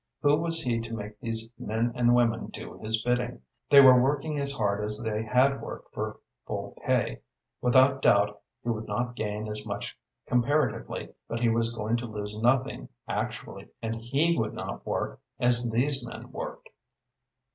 Who was he to make these men and women do his bidding? They were working as hard as they had worked for full pay. Without doubt he would not gain as much comparatively, but he was going to lose nothing actually, and he would not work as these men worked.